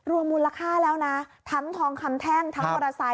รวมมูลค่าแล้วนะทั้งทองคำแท่งทั้งมอเทศ